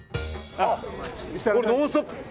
これ、「ノンストップ！」。